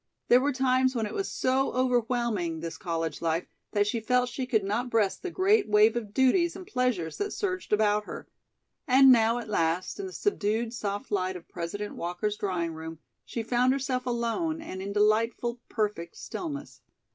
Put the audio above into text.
There were times when it was so overwhelming, this college life, that she felt she could not breast the great wave of duties and pleasures that surged about her. And now, at last, in the subdued soft light of President Walker's drawing room she found herself alone and in delightful, perfect stillness.